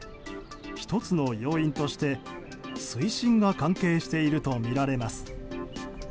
１つの要因として水深が関係しているとみられます。